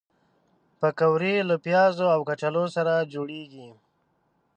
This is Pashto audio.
پکورې له پیازو او کچالو سره جوړېږي